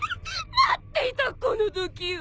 待っていたこの時を。